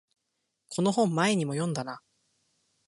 この本前にも読んだな